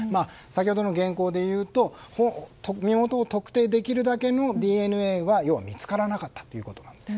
先ほどの原稿でいうと身元を特定できるだけのＤＮＡは見つからなかったということです。